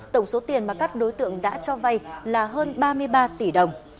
tổng số tiền mà các đối tượng đã cho vay là hơn ba mươi ba tỷ đồng